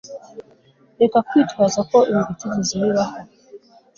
reka kwitwaza ko ibi bitigeze bibaho